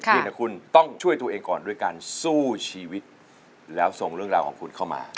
เพียงแต่คุณต้องช่วยตัวเองก่อนด้วยการสู้ชีวิตแล้วส่งเรื่องราวของคุณเข้ามา